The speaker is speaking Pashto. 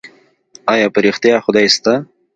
ايا په رښتيا خدای سته؟